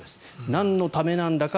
なんのためなんだか。